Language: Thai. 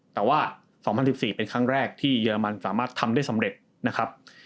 แต่ว่า๒๐๑๔เป็นครั้งแรกที่เยอรมันสามารถทำได้สำเร็จนะครับ